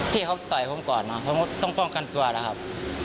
ที่เขาต่อยผมก่อนนะผมก็ต้องป้องกันตัวนะครับ